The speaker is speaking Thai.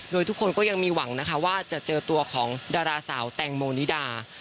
โดยทุกคนก็ยังมีหวังนะคะว่าจะเจอตัวของดาราสาวแตงโมนิดา